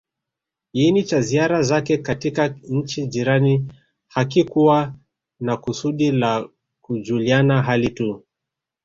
iini cha ziara zake katika nchi jirani hakikuwa na kusudi la kujuliana hali tu